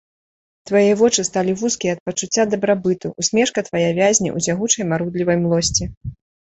Твае вочы сталі вузкія ад пачуцця дабрабыту, усмешка твая вязне ў цягучай марудлівай млосці.